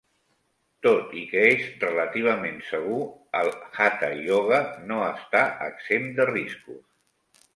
Tot i que és relativament segur, el hatha ioga no està exempt de riscos.